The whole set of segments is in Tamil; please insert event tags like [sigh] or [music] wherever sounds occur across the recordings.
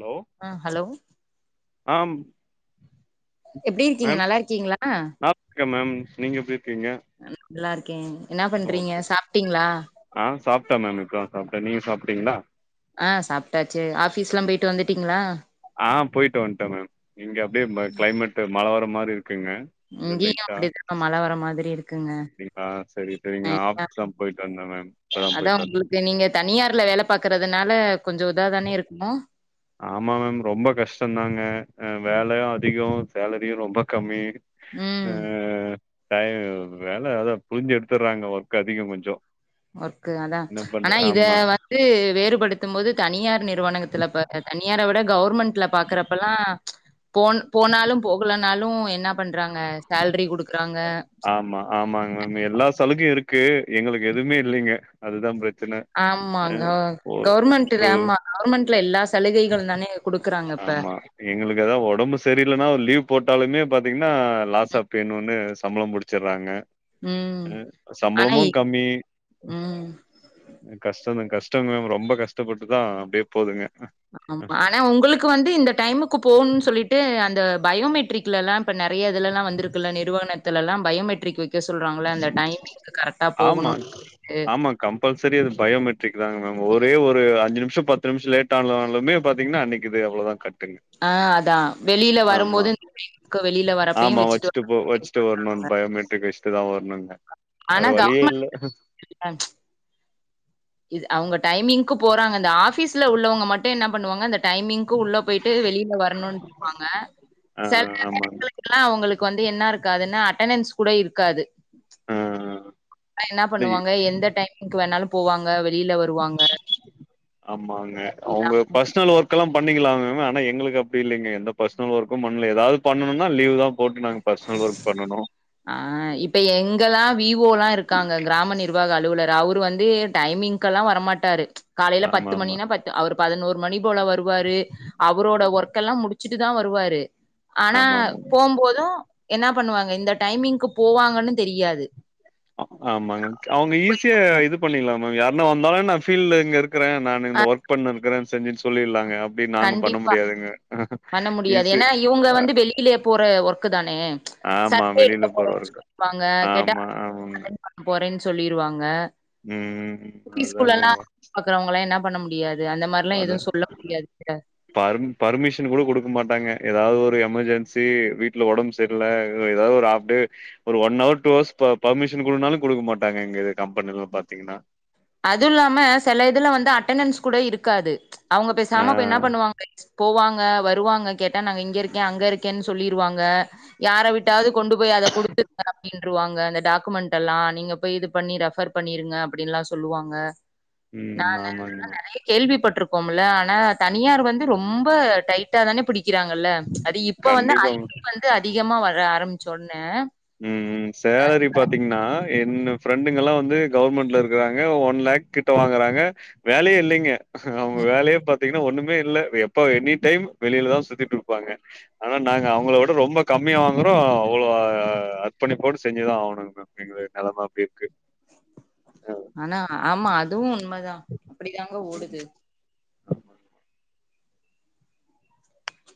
லோ ஆ ஹலோ ஆம் எப்டிருக்கீங்க நல்லாருக்கீங்ளா க்க மேம் நீங்க எப்டி அன் ட்லாருக்கே ஒ ஓகே ஆ சாப்ட்டே மேம் இப்பதா சாப்ட்டே நீங்க சாப்ட்டீங்ளா ஆ சாப்ட்டாச்சு ஆஃபீஸ்லா போயிட்டு வந்துட்டீங்ளா ஆ போயிட்டு வன்ட்டே மேம் இங்க அப்டியே ம க்ளைமேட்டு மழ வர மா இங்கேயு அப்டிதா மழ வர மாத்ரி இருக்குங்க அப்டிங்களா சரி சரிங்க ஆஃபீஸ்லா போயிட்டு வந்தே மேம் இப்பதா [inaudible] அதா போயிட்டு வந்தே உங்குளுக்கு நீங்க தனியார்ல வேல பாக்குறதுனால கொஞ்ச இத தானே இருக்கூ ஆமா மேம் ரொம்ப கஷ்டோந்தாங்க அ வேலயு அதிகோ சேலரியு ரொம்ப கம்மி ஆ ம் டை வேல அதா புழிஞ்சு எடுத்துர்றாங்க ஒர்க் அதிகோ கொஞ்சோ ஒர்க் அதா என்ன ஆனா பண்ற இத ஆமா வந்து வேறுபடுத்தும் போது தனியார் நிறுவனத்துல [inaudible] தனியார விட கவுர்மெண்ட்ல பாக்குறபெல்லா போன் போனாலு போகலனாலு என்னா பண்றாங்க சேல்ரி குடுக் ஆமா ஆமாங்க மேம் எல்லா சலுகையு இருக்கு எங்களுக்கு எதூமே இல்லிங்க அதுதா ப்ரச் ஆமாங் கோ கவர்மெண்ட் ஒரு ஆமா கவுவர்மெண்ட்ல எல்லா சலுகைகளுதானே ஆமா எங்களுக்கு எதா ஒடம்பு சரிலனா ஒரு லீவ் போட்டாலுமே பாத்தீங் எனா லாஸ் ஆஃப் பே ன்னு ஒன்னு சம்பளோ புடிச்சிட்றாங்க ம். அ ஆனா சம்பளமூ இ கம்மி ம். கஷ் டோந்தா கஷ்டோ மேம் ரொம்ப கஷ்டப்பட்டு தா அப்டியே போதுங்க ஆமா ஆனா உங்களுக் க்கு வந்து இந்த டைமுக்கு போணுன் சொல்லிட்டு அந்த பயோமெட்ரிக்லலா இப்ப நெறய இதுலலா வந்திருக்குல நிறுவ னத்துலல்லா பயோமெட்ரிக் வக்க சொல்றாங்கல அந்த டைமிங் ஆமா ஆமா கம்பல்சரி அது பயோமெட்ரிக் தாங்க மேம் ஒரே ஒரு அஞ்சு நிம் ஷோ பத்து நிம்ஷோ லேட்டானாலுமே பாத்தீங்னா அன்னைக்கிது அவ்ள தா கட் ஆ அதா வெளில வரும்போது [inaudible] வெளில வரப்பையு ஆமா வச்சுட்டு வரணூ போ அப்டின் வச்சுட்டு வரணுன் சொல்றாங்க பயோமெட்ரிக் வச்சுட்டு தா வரணுங் வேற ஆனா வழியே இல்ல கவுர்மெண்ட் ல இது அவுங்க டைமிங்க்கு போறாங்க இந்த ஆஃபீஸ்ல உள்ளவங்க மட்டு என்ன பண்ணுவாங்க இந்த டைமிங் கு உள்ள போயிட்டு வெளியில வரணுன்ருப்பாங்க ஆ செல ஆமாங்க எடத்துலலா அவுங்களுக் வந்து என்னா இருக்காதுனா அட்டணன்ஸ் கூட இருக் காது ஆ என்ன டேய் பண்ணுவாங்க எந்த டைமுக்கு வேணாலு போவாங்க வெளியில வருவாங்க. ஆமாங்க அவுங்க பர்சனல் ஒர்க்கெல்லா பண்ணங்கலாமே ஆனா எங்களுக்கு அப்டி இல்லைங்க எந்த பர்சனல் ஒர்க்கு பண்ணல ஏதாவது பண்ணனும்னா லீவ் தா போட்டு நாங்க பர்சனல் ஒர்க் பண்ணனு ஆ இப்ப எங்கெல்லா வி வோ லா இருக்காங்க கிராம நிர்வாக அலு லுவலர் அவரு வந்து டைமிங்க்கெல்லா வர மாட்டாரு காலையில ஆமா பத்து ஆமா மணினா பத்து அவரு பதினோரு மணி போல வருவாரு அவரோட ஒர்க்கெல்லா முடிச்சுட்டுதா வருவாரு ஆனா ஆமா ஆமாங்க போம்போது என்ன பண்ணுவாங்க இந்த டைமிங்க்கு போவாங்கன்னு தெரியாது ஆமாங்க அவ்ங்க ஈஸியா அ. இது பண்ணிலாமே யாருனா வந்தாலு நா ஃபீல்டுல இங்க இருக் க்குரே நா அ இந்த ஒர்க் பண்ண இருக்குரே செஞ்சினு சொல்லிருலாங்க அப்ப அப்டி நாங்க பண்ண கண்டிப்பா. முடியாதுங்க பண்ண ஈ முடியாது. சி ஏன்னா, இவுங்க அ வந்து வெளியிலே போற ஒர்க்கு தானே சர்வே எடுக்க போற போறேனு ஒர்க் சொல்லுவாங்க கேட்ட ஆமா [inaudible] போறேனு சொல்லிருவாங்க ம்ம் யூபி அதாங்க ஸ்கூல்லலாம் பாக்குறவங்கலாம் என்ன பண்ண முடியாது அந்த மாரில்லா எதுவு சொல்ல முடியாது பர் பர்மிஷன் கூட கொடுக்க மாட்டாங்க ஏதாவது ஒரு எமர்ஜென்சி சி வீட்ல ஒடம்பு செர்ல ஏதாவது ஒரு ஹாஃப் டே ஒரு one hour two hours permission குடுனாலு குடு டுக்க மாட்டாங்க எங்க இது கம்பெனில பாத்தீங்கன்னா அது இல்லாம சில இதுல வந்து அட்டணன்ஸ் கூட இருக்காது அவங்க ஆ பேசாம போய் என்ன பண்ணுவாங்க போவாங்க வருவாங்க கேட்டா நாங்க இங்க இருக்கே அங்க இருக்கேனு சொல்லிருவாங்க யார விட்டாவது கொண்டு போய் அத குடுத்துருங்க அப்டின்ருவாங்க அந்த டாக்குமெண்டெல்லா நீங்க போய் இது பண்ணி ரெஃபர் பண்ணிருங்க அப்டின்ல்லா சொல்லுவாங்க நா ம் ஆமாங்க நெறைய கேள்விப்பட் இருக்கோம்ல ஆனா தனியார் வந்து ரொம்ப டைட்டா தானே பிடிக்கிறாங்கல்ல அது இப்ப வந்து ஐ கண்டிப்பா டி வந்து அதி திகமா வர ஆரம்பிச்சோன ம்ம் சேலரி பாத்தீங்ன்னா என்ன ஃப்ரெண்டுங்கல்லா வந்து கவர்மெண்ட்ல இருக்றாங்க ஒன் லேக் கிட்ட வாங்குறாங்க வேலயே இல்லைங்க அவுங்க வேலயே பத் தீங்கனா ஒண்ணுமே இல்ல எப்ப எனி டைம் வெளியில தா சுத்திட்டு இருப்பாங்க ஆனா நாங்க அவங்களோட ரொம்ப கம் மியா வாங்குறோ அவ்ளோ அ அர்பணிப்போடு செஞ்சுதா ஆகணு அப்டிங்கிற நெலம அப்டி இருக்கு அஹ் ஆனா ஆமா அதுவு உண்மதா அப்டி தாங்க ஓடுது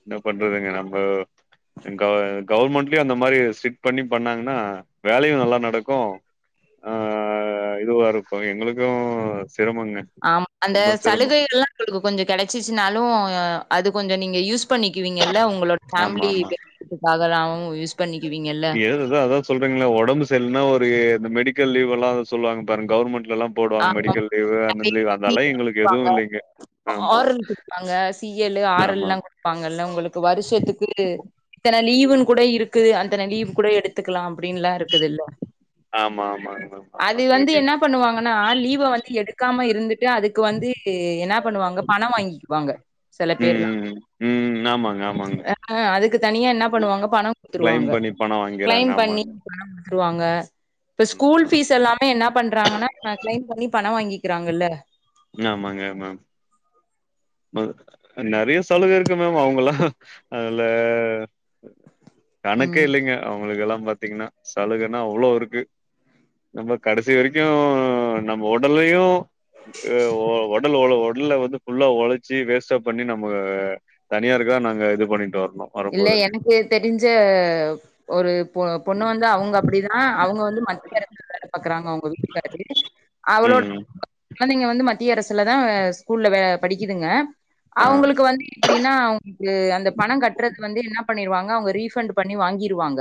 என்ன பண்றதுங்க நம்ப க கவர்மெண்ட்லயு அந்த மாரி ஸ்ட்ரிக்ட் பண்ணி பண்ணாங்ன்னா வேலயு நல்லா நடக்கு ஆஹ் இதுவா இருக்கு எங்களுக்கு சிரமங்க ஆமா அந்த ரொம்ப சிரமம் சலுகைல்லா உங்களுக்கு கொஞ்ச கெடச்சிச்சுனாலு அது கொஞ்ச நீங்க யூஸ் பண்ணிக்கிவீங்கல்ல உங்களோட ஃபேமிலி பெனிஃபிட்டுகாக தா அவ்ங் எ அததா அதா சொல்றீங்களா ஒடம்பு செரிலனா ஒரு அந்தமாரி லீவ்ல்லா சொல்லுவாங்கபாரு கவர்ன்மெண்ட் லல்லா போடுவாங்க ஆமா மெடிக்கல் லீவு அந்தந்த லீவ் அதெல்லா எங்களுக்கு எதுவு இல்லைங்க ஆமா ஆற் எல் குடுப்பாங்க சீ எல்லு ஆற் ஆமா எல்லா குடுப்பாங்கல்ல உங்களுக்கு வர்ஷத்துக்கு இத்தன லீவுன்னு கூட இருக்குது அந்தன லீவு கூட எடுத்துக்கலா அப்டின்லா இருக்குதுல்ல ஆமா ஆமா ஆமா ஆமாங்க இருக்குங்க னா லீவ வந்து எடுக்காம இருந்துட்டு அதுக்கு வந்து என்ன பண்ணுவாங்க பண வாங்கிக்குவாங்க சில ம் பேர்லா ம் ம் ஆமாங்க ஆமாங்க அ அதுக்கு தனியா என்ன பண்ணுவாங்க பண கிளைம் குடுத்துருவாங்க பண்ணி பணோ வாங்கிறாங்க க்ளைம் பண்ணி ஆமாங்க குற்வாங்க இப்ப ஸ்கூல் ம், பீஸ் எல்லாமே என்ன பண்றாங்கன்னா க்ளைம் பண்ணி பண வாங்கி இருக்கிறாங்கல்ல ம நெறைய சலுக இருக்கு மேம் அவுங்களா அதுல கணக்கே ம் இல்லைங்க அவுங்களுக்கெல்லா பாத்தீங்கினா சலுகனா அவ்ளோ இருக்கு நம்ப கடசி வெரிக்கு நம்ம ஒடல்லயு அ ஒ ஒடல் ஒல ஒட்ல்ல வந்து ஃபுல்லா ஒழ ச்சி வேஸ்டாப் பண்ணி நம்ப தனியாருக்குதா நாங்க இது பண்ணிட் வரோ இல்ல எனக்கு தெரிஞ்ச ஒரு பொ பொண்ணு வந்து அவுங்க அப்படிதா அவுங்க வந்து மத்திய அரசு ல வேல பாக்குறாங்க அவுங்க வீட்டுக்காரு அவளோட ம் கொழந்திங்க வந்து மத் திய அரசுல தா ஸ்கூல்ல வே படிக்குதுங்க ஆ அவுங்களுக்கு வந்து எப்டீனா அவுங்களுக்கு வந்த பணங் கட்றது வந்து இன்னா பண்ணிருவாங் னா அவுங்க ரீஃபண்டு பண்ணி வாங்கிருவாங்க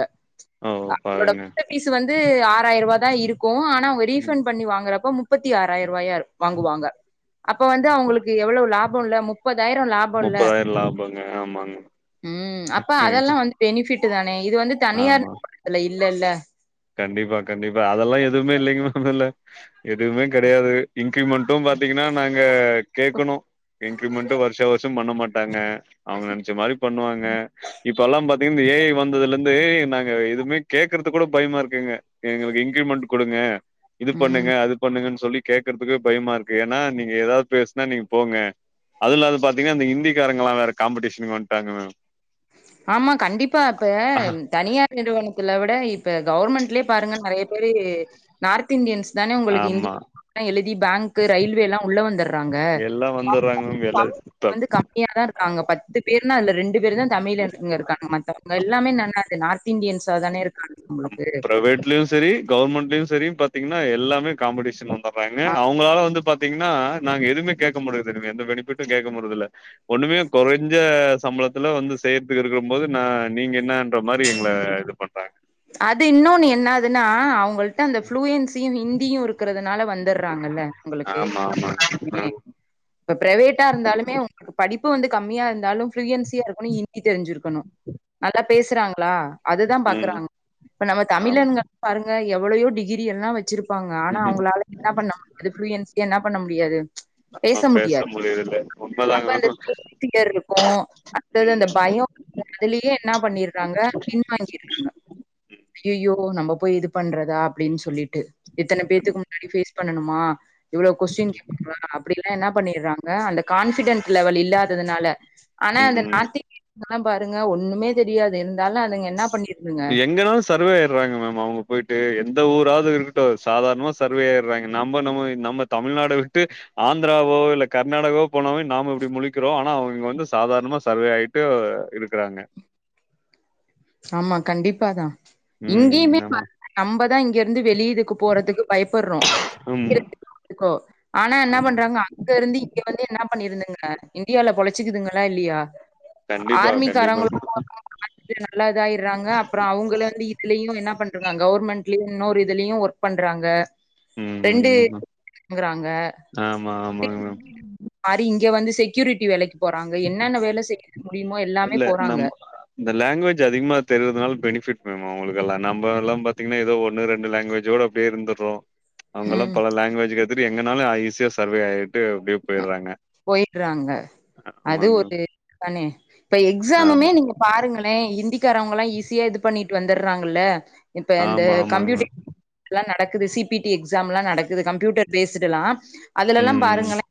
ஓ அவங்களோட பாருங்க மொத்த பீஸு வந்து ஆறாய்ருபாதா இருக் கு ஆனா அவுங்க ரீஃபண் பண்ணி வாங்குறப்போ முப்பத்தி ஆறாய்ருவாயா வாங்குவாங்க அப்போ வந்து அவுங்களுக்கு எவ்வளோ லாபோல்ல முப்பதாயிரோ லாபோல்ல முப்பதாயிரோ லாபங்க ஆமாங்க ம் அப்ப அதெல்லா வந்து பெனிஃபிட்டு தானே இது வந்து தனியார் ஆமா நிறுவனத்துல இல்லல கண்டிப்பா கண்டிப்பா அதெல்லா எதுவுமே இல்லைங்க மேம் இதுல எதுவுமே கெடையாது இன் க்ரிமெண்ட்டு பாத்திங்கன்னா நாங்க கேக்கணு இன்க்ரிமெண்ட்டு வருஷ வர்ஷோ பண்ண மாட்டாங்க அவுங்க நெனச்ச மாரி பண்ணுவாங்க இப்பலா பாத் து இந்த ஏ ஐ வந்ததுலந்து நாங்க இதுவ்மே கேக்கற்துக் கூட பய்மா இருக்குங்க எங்களுக்கு இன்க்ரீமெண்ட் குடுங்க இது ம் பண்ணுங்க அது பண்ணுங்கன் சொல்லி கேக்கற்துக்கு பயமாருக்கு ஏன்னா நீங்க ஏதாவ்த் பேஸ்னா நீங்க போங்க அதுல்லாது பாத்தீங்ன்னா இந்த இந்திக்காரங்கல்லா வேற காம்படீஷனுக் வந்ட்டாங்க மேம் ஆமா கண்டிப்பா இப்ப ம் தனியார் நிறுவனத்துல விட இப் ப்ப கவுர்மெண்ட்லே பாருங்க நெறைய பேரு நார்த் இன்டியன்ஸ் தானே உங்களுக்கு ஆமா இந்தில எழுதி பேங்க்கு ரயில்வேலா உள்ள வந்துடுறாங்க எல்லா வந்துடுறாங்க மேம் தமிழ் எல்லா வந்து கம்மியா தா இருக்காங்க பத்து பேர்னா அல்ல ரெண் டு பேரு தா தமிழன்ங்க இருக்காங்க மத்தவங்க எல்லாமே என்னது நார்த் இன்டியன்ஸா தானே இருக்காங்க உங்களுக்கு. ப்ரவேட்லயு செரி கவுர்மெண்ட்லயு செரி பாத்தீங்கன்னா எல்லாமே காம்படிஷன் [unintelligible] வறாங்க அ அவுங்களால வந்து பாத்தீங்ன்னா நாங்க எதுவுமே கேக்க முடியிறதில்ல எந்த பெனிஃபிட்டு கேக்க முடிற்தில்ல ஒண்ணுமே கொறஞ்ச சம்பளத்துல வந்து செயற்துக்கு இருக்கம் போது நா நீங்க என்னன்ற மாரி எங்ள இது பண்றாங்க அது இன்னொன்னு என்னாதுன்னா அ வுங்கள்ட்ட அந்த ப்ளூறன்சியு ஹிந்தியு இருக்கிறதுனால வந்துடுறாங்கல்ல உங்குளுக்கு ஆமா எங்க போனாலுமே [inaudible] ஆமா [unintelligible] இப்ப ப்ரவேட்டா இருந்தாலுமே உங்களுக்கு படிப்பு வந்து கம்மியா இருந்தாலு ஃப்ளூயன்சியா இருக்கணு ஹிந்தி தெரிஞ்சுக்கணு நல்லா பேசுறாங்களா அதுதா ம் பாக்குறாங் இப்ப நம்ம தமிழன்கள் பாருங் க எவ்வளையோ டிகிரி எல்லா வச்சிருப்பாங்க ஆனா ஆமா அவுங்களால என்னா பண்ண முடியாது ப்ளூயன்சியா என்ன பண்ண முடியாது நம்ம பேச முடியதில்ல அப்ப [unintelligible] இருக்கு அடுத்தது அந்த மேம் பயோ அதுலியே என்ன பண்ணிற்றாங்க பின்வாங்கிற்றாங்க அய்யையோ நம்ப போய் இது பண்றதா அப்டின் சொல்லிட்டு இத்தன பேத்துக்கு முன்னாடி ஃபேஸ் பண்ணணுமா இவ்வளோ கொஸ்டின் கேப்பங்களா அப்புடீனு இன்னா பண்ணிற்றாங்க அந்த கான்ஃபிடென்ட் லெவல் இல்லாததுனால ஆனா ம் அந்த ம் நார்த் இந்தியன்குலா பாருங்க ஒண்ணுமே தெரியாது இருந்தாலு அதுங்க என்ன பண்ணிருதுங்க எங்கனாலு சர்வே ஆய்றாங்க மேம் அவுங்க போய்ட்டு எந்த ஊராது இருக்கட்டு சாதார்ணமா சர்வே ஆய்றாங்க நம்மோ நம்ம நம்ப தமிழ்நாட விட்டு ஆந்தராவோ இல்ல கர்நாடகாவோ போனாவே நாம இப்டி முழிக்கிறோ ஆனா அவுனுங் வந்து சா தார்ணமா சர்வே ஆய்ட்டு இருக்கறாங்க ஆமா கண்டிப்பாதா இங்கேயிமே ம் ஆமா நம்பதா இங்க இருந்து வெளி இதுக்கு போறதுக்கு பயப்புற்றோ ம் க்கோ ஆனா என்ன ஆமா பண்றாங்க அங்க இருந்து இங்க வந்து என்னா பண்ணிருந்துங்க இந்தியால பொழச்சுக்குதுங்களா இல்லியா கண்டிப்பா கண்டிப்பா வந்து நல்லா இதாயிட்றாங்க அப்புற அவங்களே வந்து இதுலயு என்ன பண் றாங் கவர்மெண்ட்லயு இன்னொரு இதுலயு ஒர்க் பண்றாங்க ம் ரெண்டு ம் ங்குறாங்க ஆமா ஆமாங்க மேம் மாறி இங்க வந்து செக்யூரிட்டி வேலைக்கு போறாங்க என்னென்ன வேல செய்ய முடியுமோ எல்லாமே இல்ல போறாங்க நம் அ இந்த லாங்குவேஜ் கொஞ்ச அதிகமா தெரியரதுனால பெனிஃபிட் நம்ம அவங்களுக்கு எல்லா நம்ப எல்லா பாத்தீங்கன்னா ஏதோ ஒன்னு ரெண்டு லாங்குவேஜு இல்ல அப்டியே இருந்தோ ப்ரோ அவங்கல்லா ம் பல லாங்குவேஜ் கத்துட்டு எங்கனாலு அ ஈஸியா சர்வே ஆயிரு அ போயிட்றாங்க அதுவு ஆமாங்க ஒரு தானே இப்ப மேம். எக்ஸாமுமே ஆமா நீங்க பாருங்களே இந்திக்காரவங்கல்லா ஈஸியா இது பண்ணிட்டு வந்துட்றாங்கல்ல இப்ப இந்த ஆமா ஆமாங்க மேம் கம்ப்யூட்டிக் தான நடக்குது சி பி டி எக்ஸாம் எல்லா நடக்குது கம்ப்யூட்டர் பேஸ்சுடு எல்லா அதுல எல்லா ம் பாருங்களே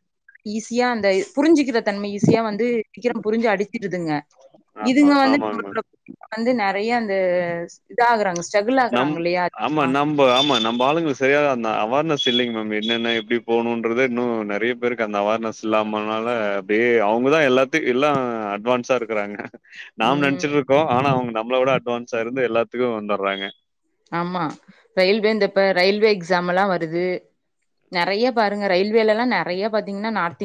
ஈஸியா அந்த புரிஞ்சிக் கிற தன்மை ஈஸியா வந்து சீக்கிர புரிஞ்சு அடிச்சுடுதுங்க ஆமா இதுங்க வந்து ஆமாங்க நம்மளோட மேம் வந்து நறைய அந்த இதா ஆகுறாங்க ச் நம் ஆமா நம்ப ஆமா நம்ப ஆளுங்களுக்கு சரியான அந்த அவார்னஸ் இல்லைங்க மேம் என்னென்ன எப்டி போணுன்றதே இன்னு நெறைய பேருக்கு அந்த அவார்னஸ் இல்லாமனால அப்டியே அவ் அவங்கதா எல்லாத்து எல்லா அட்வான்ஸா இருக்குறாங்க நாம ம் நெனைச்சிட்டு இருக்கோ ஆனா அவங்க நம்ள விட அட்வான்ஸா இருந்து எல்லாத்துக்கு வந்தட்றாங்க ஆமா ரயில்வே இந்த இப்ப ரயில்வே எக்ஸ் எக்ஸாம் எல்லா வருது நெறைய பாருங்க ரயில்வேல எல்லா நெறைய பா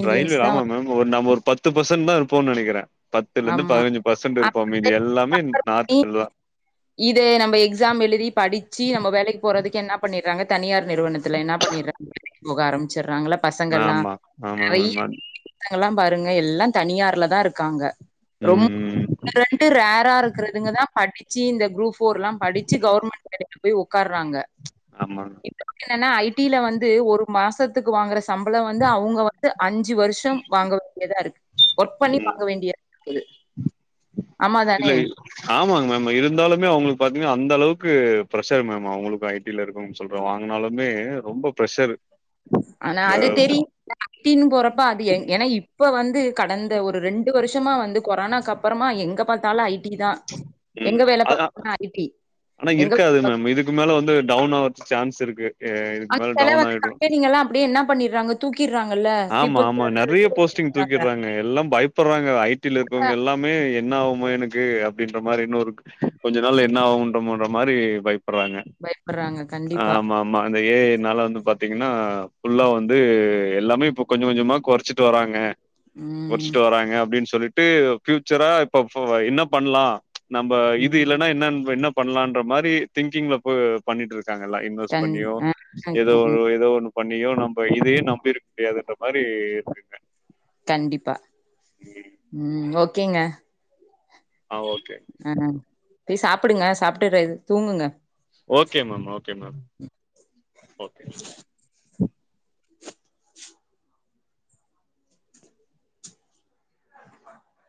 ரயில்வே ஆமா மேம் ஓ நம்ம ஒரு பத்து பர்சன்ட் தா இருப்போ நெனைக்கிறே பத்துல இருந்து ஆமா பதினஞ்சு பர்சன்ட் இருப்போ அந்த மீதி எல்லாமே இ நார்த் எழுதலா இது நம்ம எக்ஸாம் எழுதி படிச்சி நம்ம வேலைக்கு போறதுக் என்ன பண்ணிட்றாங்க தனியார் நிறுவனத்துல என்ன பண்ணிட்றாங்க புக ஆரம்பிச்சுட்றாங்கல்ல பசங்கல்லா ஆமா ஆமாங்க நறை மேம் அத் பசங்கல்லா பாருங்க எல்லா தனியார்ல தா இருக்கா ம் ரொம் ம் ரெண்டு ரேரா இருக்கறதுங்க தா படிச்சி இந்த குரூப் ஃபோர் எல்லா படிச்சி கவர்மெண்ட் வேலைக்கு போய் உக்கார்றாங்க ஆமாங்க இப்ப என்னன்னா ஐ டி ல வந்து ஒரு மாசத்துக்கு வாங்குறச் சம்பள வந்து அவங்க வந்து அஞ்சு வருஷம் வாங்க வேண்டியதா இருக்கு ஒர்க் பண்ணி ம் வாங்க வேண்டிய எழு இல்ல ஆமாங்க மேம் இருந்தாலுமே அவங்களுக்கு பாத்தீங்கன்னா அந்த அளவு க்கு ப்ரெஷர் மேம் அவங்களுக்கு ஐ டி ல இருக்கோன்னு சொல்றோ வாங்குனாலுமே ரொம்ப ப்ரெஷரு ஆனா அது தெரி பின்போறப்ப அது ஏன் ஏன்னா இப் இப்ப வந்து கடந்த ஒரு ரெண்டு வருஷமா வந்து கொரோனாக்கு அப்புறமா எங்க பாத்தாலு ஐ டி தா ம் எங்க வேல அதா பாக்குறன்னா ஐ டி ஆனா எங்க இருக்காது மேம் இதுக்கு மேல வந்து டவுன் ஆவறத்துக்கு சான்ஸ் இருக்கு ஏ இதுக்கு ஆனா மேல செல டவுன் வந்து ஆயிடு கம்பெனிங்கல்லா அப்டியே என்ன பண்ணிட்றாங்க தூக்கிட்றாங்கல்ல ஆமா பீப்புள்ஸ் ஆமா நெறைய போஸ்டிங் தூக்கிட்றாங்க எல்லா பயப்புட்றாங்க ஐ டி ல இருக்கவங்க எல்லாமே என்ன ஆவுமோ எனக்கு அப்டின்ற மாறி இன்னொரு கொஞ்ச நாள்ல என்ன ஆவூன்றமொற மாறி பயப் புராங்க பயப்பட்றாங்க கண்டிப்பா ஆமா ஆமா அந்த ஏ ஐ னால வந்து பாத் பாத்தீங்கன்னா ஃபுல்லா வந்து எல்லாமே இப்ப கொஞ்ச கொஞ்சமா கொறச்சிட்டு வராங்க ம் கொறச்சிட்டு வராங்க அப்டின்னு சொல்லிட்டு ஃபியூச்சரா இப்ப ஃப என்ன பண்ணலா நம்ப இது ம் இல்லன்னா என்ன என்ன பண்ணலான்ற மாறி திங்கிங்ல பொ பண்ணிட்டு இருக் காங்க எல்லா இன்வெஸ்ட் கண் பண்ணியோ அ கண் ஏதோ ஏதோ ஒன்னு பண்ணியோ நம்ப இதையே நம்பி இருக் முடியாதுன்ற மாறி இருக்குங்க கண்டிப்பா ம் ம் ஓகேங்க ஆ ஓகே ஆ போய் சாப்புடுங்க சாப்ட்டு ரெண் தூங்குங்க okay ma'am okay ma'am okay